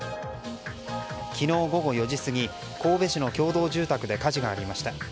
昨日午後４時過ぎ神戸市の共同住宅で火事がありました。